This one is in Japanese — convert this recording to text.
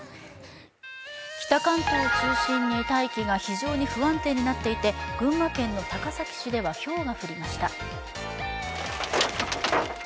北関東を中心に大気が非常に不安定になっていて群馬県の高崎市ではひょうが降りました。